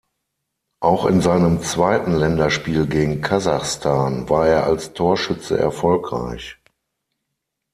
Auch in seinem zweiten Länderspiel gegen Kasachstan war er als Torschütze erfolgreich.